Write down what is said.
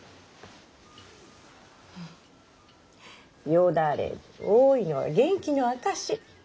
よだれの多いのは元気な証し。